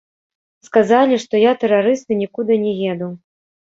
Сказалі, што я тэрарыст і нікуды не еду.